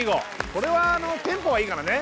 これはテンポがいいからね